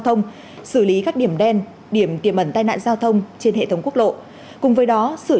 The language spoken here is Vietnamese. thông xử lý các điểm đen điểm tiềm ẩn tai nạn giao thông trên hệ thống quốc lộ cùng với đó xử